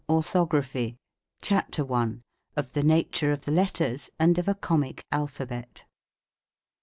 ORTHOGRAPHY. CHAPTER I. OF THE NATURE OF THE LETTERS, AND OF A COMIC ALPHABET.